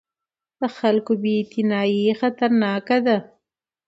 د خلکو بې اعتنايي خطرناکه ده